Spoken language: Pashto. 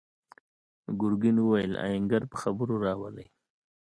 ګرګين وويل: آهنګر په خبرو راولئ!